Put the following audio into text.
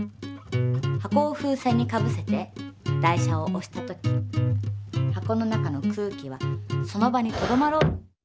箱を風船にかぶせて台車をおした時箱の中の空気はその場にとどまろう。